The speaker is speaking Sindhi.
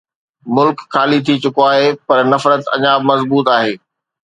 ملڪ خالي ٿي چڪو آهي، پر نفرت اڃا به مضبوط آهي.